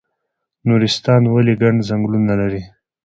نورستان ولې ګڼ ځنګلونه لري؟